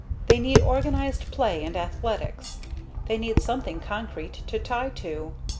They need organized play and athletics. They need something concrete to tie to.